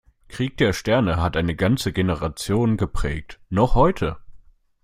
"Krieg der Sterne" hat eine ganze Generation geprägt. Noch heute.